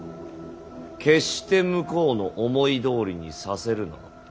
決して向こうの思いどおりにさせるな。